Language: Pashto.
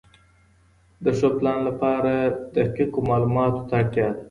د ښه پلان لپاره دقیقو معلوماتو ته اړتیا ده.